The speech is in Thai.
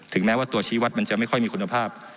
แม้ว่าตัวชี้วัดมันจะไม่ค่อยมีคุณภาพ